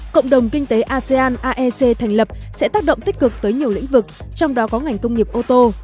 cộng đồng kinh tế asean aec thành lập sẽ tác động tích cực tới nhiều lĩnh vực trong đó có ngành công nghiệp ô tô